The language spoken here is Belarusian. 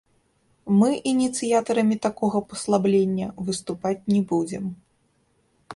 Мы ініцыятарамі такога паслаблення выступаць не будзем.